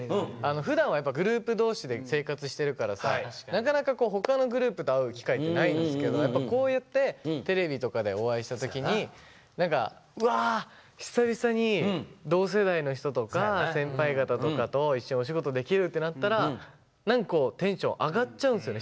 ふだんはやっぱグループ同士で生活してるからなかなか他のグループと会う機会ってないんですけどやっぱこうやってテレビとかでお会いした時に何かうわ久々に同世代の人とか先輩方とかと一緒にお仕事できるってなったら何かテンション上がっちゃうんですよね